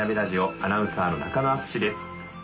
アナウンサーの中野淳です。